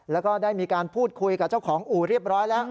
แล้วก็ได้มีการพูดคุยกับเจ้าของอู่เรียบร้อยแล้ว